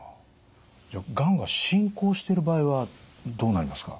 じゃあがんが進行している場合はどうなりますか？